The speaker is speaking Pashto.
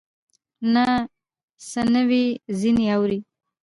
نه څه نوي ځینې اورې